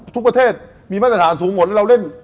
ทุกประเทศมีมาตรฐานสูงหมดแล้วเราเล่น